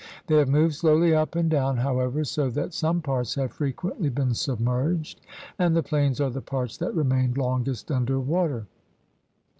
They have moved slowly up and down, however, so that some parts have frequently been submerged, and the plains are the parts that remained longest under water.